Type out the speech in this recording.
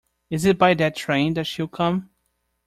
Is it by that train that she will come?